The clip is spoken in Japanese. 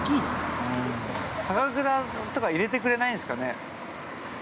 酒蔵とか入れてくれないんですかね。